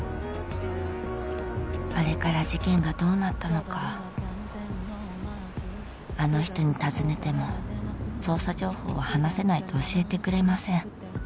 あれから事件がどうなったのかあの人に尋ねても捜査情報は話せないと教えてくれません